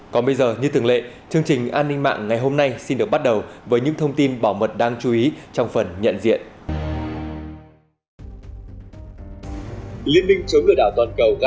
còn bây giờ như thường lệ chương trình an ninh mạng ngày hôm nay xin được bắt đầu với những thông tin bảo mật đáng chú ý trong phần nhận diện